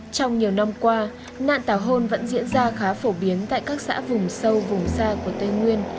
trong nhiều năm qua nạn tảo hôn vẫn diễn ra khá phổ biến tại các xã vùng sâu vùng xa của tây nguyên